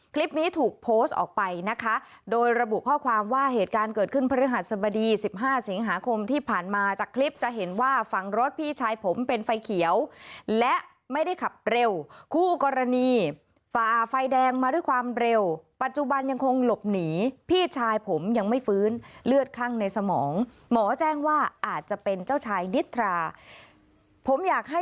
คลิปนี้ถูกโพสต์ออกไปนะคะโดยระบุข้อความว่าเหตุการณ์เกิดขึ้นพฤหัสบดีสิบห้าสิงหาคมที่ผ่านมาจากคลิปจะเห็นว่าฝั่งรถพี่ชายผมเป็นไฟเขียวและไม่ได้ขับเร็วคู่กรณีฝ่าไฟแดงมาด้วยความเร็วปัจจุบันยังคงหลบหนีพี่ชายผมยังไม่ฟื้นเลือดคั่งในสมองหมอแจ้งว่าอาจจะเป็นเจ้าชายนิทราผมอยากให้